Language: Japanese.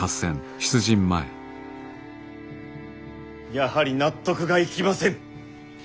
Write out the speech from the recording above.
やはり納得がいきませぬ。